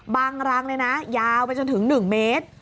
รังเลยนะยาวไปจนถึง๑เมตร